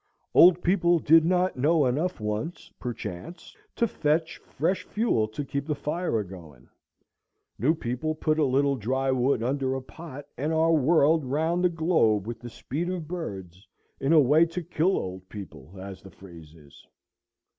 Old people did not know enough once, perchance, to fetch fresh fuel to keep the fire a going; new people put a little dry wood under a pot, and are whirled round the globe with the speed of birds, in a way to kill old people, as the phrase is.